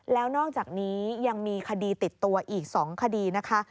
แล้วนอกจากนี้ยังมีคดีติดตัวอีก๒คดีนะคะ